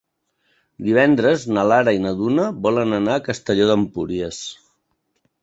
Divendres na Lara i na Duna volen anar a Castelló d'Empúries.